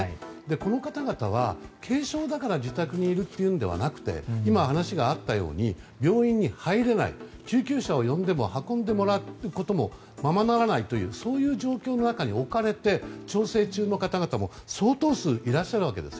この方々は、軽症だから自宅にいるというのではなくて今、話があったように病院に入れない救急車を呼んでも運んでもらうこともままならないという状況の中に置かれて調整中の方々も相当数いらっしゃるわけです。